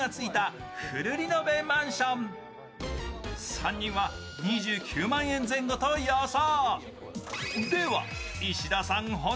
３人は２９万円前後と予想。